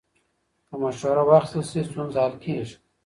که مشوره واخیستل شي، ستونزه حل کېږي.